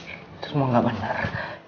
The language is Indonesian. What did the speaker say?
itu semua enggak benar